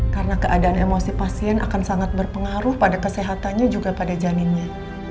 karena keadaan emosi pasien akan sangat berpengaruh pada kesehatannya juga pada janinnya